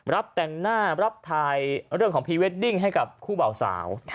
แต่งหน้ารับทายเรื่องของพรีเวดดิ้งให้กับคู่เบาสาว